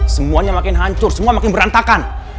semuanya makin hancur semua makin berantakan